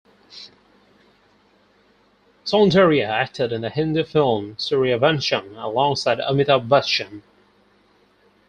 Soundarya acted in the Hindi film, "Sooryavansham", alongside Amitabh Bachchan.